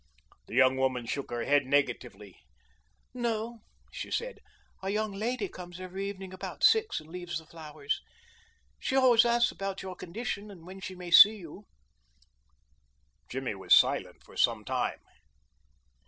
The young woman shook her head negatively. "No," she said; "a young lady comes every evening about six and leaves the flowers. She always asks about your condition and when she may see you." Jimmy was silent for some time.